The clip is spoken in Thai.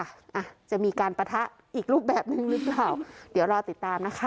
อ่ะจะมีการปะทะอีกรูปแบบนึงหรือเปล่าเดี๋ยวรอติดตามนะคะ